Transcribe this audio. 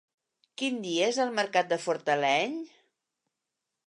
Quin dia és el mercat de Fortaleny?